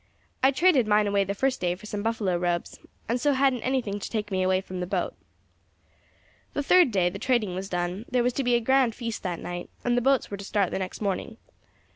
I traded mine away the first day for some buffalo robes, and so hadn't anything to take me away from the boat. "The third day the trading was done; there was to be a grand feast that night, and the boats were to start the next morning.